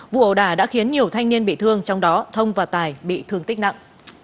vụ ẩu đã khiến nhiều thanh niên bị thương trong đó thông và tài bị thương tích nặng